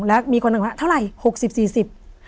และมีคนนึงไม่รู้แบบเท่าไร๖๐๔๐